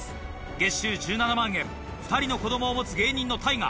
月収１７万円２人の子供を持つ芸人のＴＡＩＧＡ。